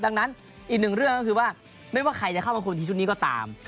ดังนั้นอีกหนึ่งเรื่องก็คือว่าไม่ว่าใครจะเข้ามาคุยทีชุดนี้ก็ตาม